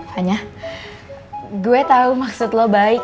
saya tahu maksudmu baik